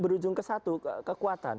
berujung ke satu kekuatan